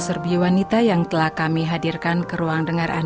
selanjutnya marilah kita mengikuti mimbar suara pengharapan